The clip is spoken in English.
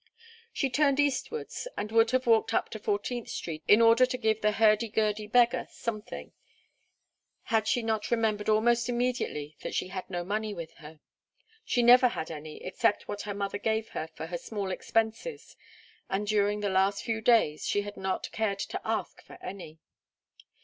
She turned eastwards and would have walked up to Fourteenth Street in order to give the hurdy gurdy beggar something, had she not remembered almost immediately that she had no money with her. She never had any except what her mother gave her for her small expenses, and during the last few days she had not cared to ask for any.